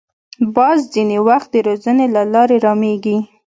باز ځینې وخت د روزنې له لارې رامېږي